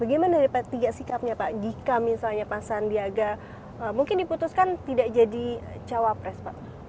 bagaimana dari p tiga sikapnya pak jika misalnya pak sandiaga mungkin diputuskan tidak jadi cawapres pak